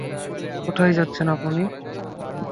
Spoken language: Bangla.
কোথায় যাচ্ছেন আপনি?